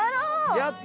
やった！